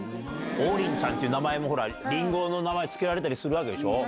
王林ちゃんっていう名前も、ほら、りんごの名前付けられたりするわけでしょう。